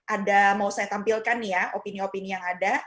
ada mau saya tampilkan nih ya opini opini yang ada